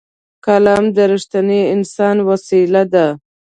قلم د رښتیني انسان وسېله ده